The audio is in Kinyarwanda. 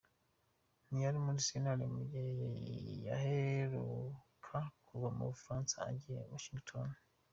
Ntiyari muri sentare mu gihe yaheruka kuva mu Bufaransa agiye i Washington.